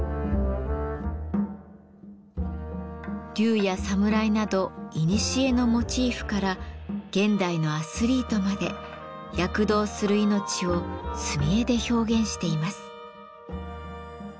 龍や侍などいにしえのモチーフから現代のアスリートまで躍動する命を墨絵で表現しています。